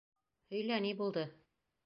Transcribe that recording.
Һөйлә, ни булды?